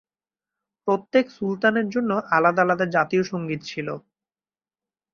প্রত্যেক সুলতানের জন্য আলাদা আলাদা জাতীয় সঙ্গীত ছিল।